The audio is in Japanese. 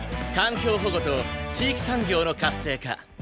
環境保護と地域産業の活性化